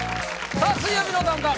さあ「水曜日のダウンタウン」